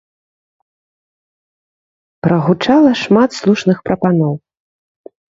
Прагучала шмат слушных прапаноў.